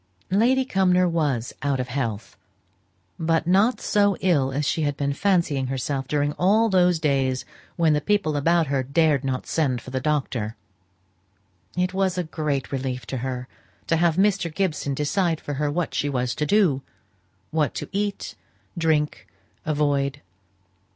Lady Cumnor was out of health; but not so ill as she had been fancying herself during all those days when the people about her dared not send for the doctor. It was a great relief to her to have Mr. Gibson to decide for her what she was to do; what to eat, drink, avoid.